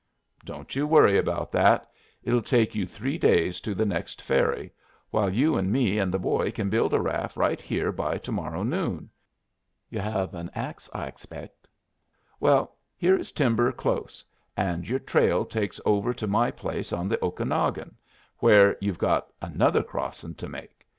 "Don't you worry about that. It'll take you three days to the next ferry, while you and me and the boy kin build a raft right here by to morrow noon. You hev an axe, I expect? Well, here is timber close, and your trail takes over to my place on the Okanagon, where you've got another crossin' to make.